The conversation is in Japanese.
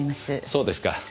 そうですか。